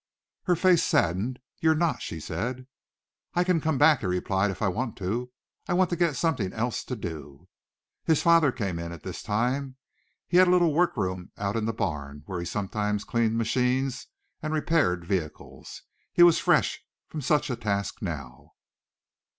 Her face saddened. "You're not?" she said. "I can come back," he replied, "if I want to. I want to get something else to do." His father came in at this time. He had a little work room out in the barn where he sometimes cleaned machines and repaired vehicles. He was fresh from such a task now.